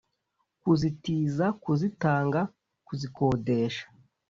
kuzitiza kuzitanga kuzikodesha.